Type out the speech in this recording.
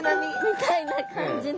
みたいな感じの。